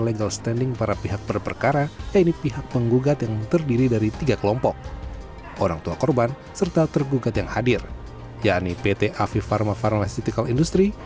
selain mengaku kecewa kesedihan juga terpancar dari wajah para orang tua korban gagal ginjal akut